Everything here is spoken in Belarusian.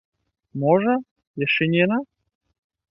Можа, яшчэ не яна?